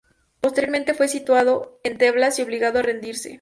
Posteriormente, fue sitiado en Tebas y obligado a rendirse.